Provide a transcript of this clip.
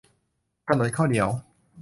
ถนนข้าวเหนียว